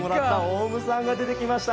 オウムさんが出てきました。